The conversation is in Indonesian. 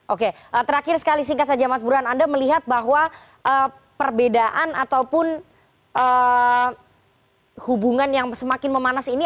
oke terakhir sekali singkat saja mas burhan anda melihat bahwa perbedaan ataupun hubungan yang semakin memanas ini